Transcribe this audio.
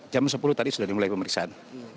karena jam sepuluh tadi sudah dimulai pemeriksaan